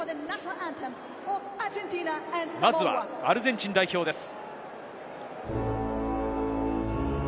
まずはアルゼンチン代表です。